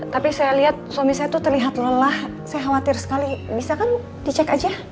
tapi saya lihat suami saya tuh terlihat lelah saya khawatir sekali bisa kan dicek aja